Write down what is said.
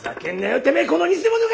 てめえこの偽者が！